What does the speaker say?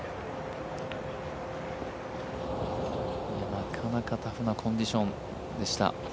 なかなかタフなコンディションでした。